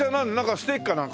ステーキかなんか？